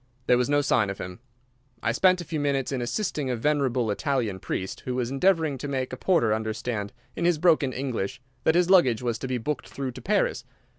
There was no sign of him. I spent a few minutes in assisting a venerable Italian priest, who was endeavouring to make a porter understand, in his broken English, that his luggage was to be booked through to Paris.